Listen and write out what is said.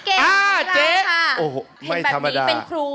อ่าเจ๊ค่ะไม่ธรรมดา